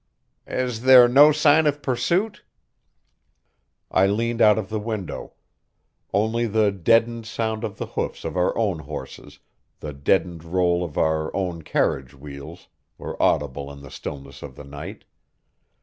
"Is there no sign of pursuit?" I leaned out of the window. Only the deadened sound of the hoofs of our own horses, the deadened roll of our own carriage wheels, were audible in the stillness of the night.